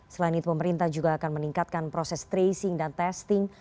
selain itu pemerintah juga akan meningkatkan proses tracing dan testing